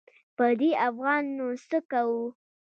په دې افغان نو څه کوو.